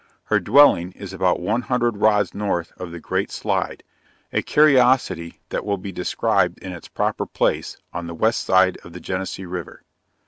Her dwelling, is about one hundred rods north of the Great Slide, a curiosity that, will be described in its proper place, on the west side of the Genesee river.